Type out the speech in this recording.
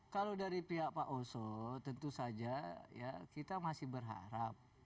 kalau dari pihak pak oso tentu saja ya kita masih berharap